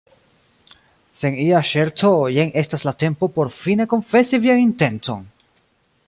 Sen ia ŝerco, jen estas la tempo por fine konfesi vian intencon!